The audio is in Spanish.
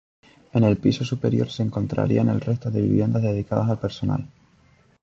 En el piso superior se encontrarían el resto de viviendas dedicadas al personal.